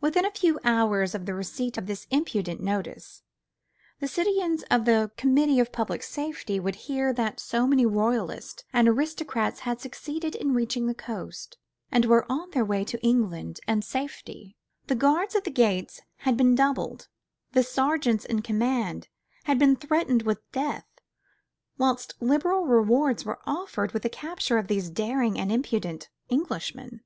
Within a few hours of the receipt of this impudent notice, the citoyens of the Committee of Public Safety would hear that so many royalists and aristocrats had succeeded in reaching the coast, and were on their way to England and safety. The guards at the gates had been doubled, the sergeants in command had been threatened with death, whilst liberal rewards were offered for the capture of these daring and impudent Englishmen.